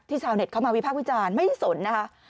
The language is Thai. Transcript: ที่ชาวเน็ตเข้ามาวิพักวิจารณ์ไม่สนนะคะ